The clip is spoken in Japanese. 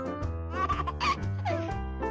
アハハッ。